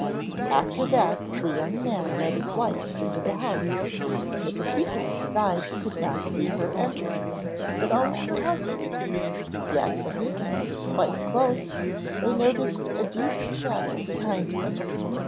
After that the young man led his wife into the house, but the people inside could not see her enter, but only her husband; yet when he came quite close, they noticed a deep shadow behind him.